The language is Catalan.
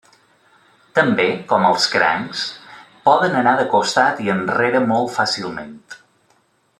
També, com els crancs, poden anar de costat i enrere molt fàcilment.